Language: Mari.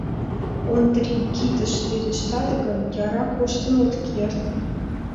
Ондрий кидыш верештат гын, яра коштын от керт.